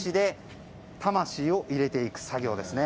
魂を入れていく作業ですね。